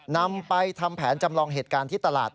นำไปทำแผนจำลองเหตุการณ์ที่ตลาด